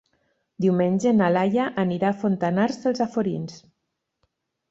Diumenge na Laia anirà a Fontanars dels Alforins.